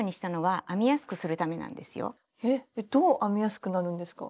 えっどう編みやすくなるんですか？